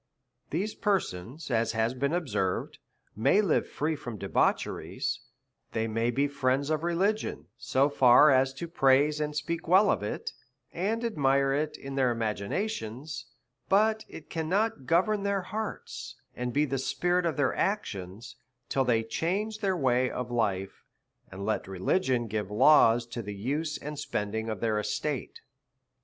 These persons, as has been observed, may live free from debaucheries ; they may be fiiends of religion, so far, as to praise and speak well of it and admire it in their imaginations ; but it cannot govern their hearts, and the spirit of their actions, till they change their way of life, and let religion give laws to the use and spending of their estates.